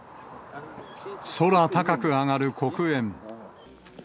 空高く上がる黒煙。